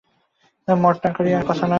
মঠ না করে আর কথা নয়।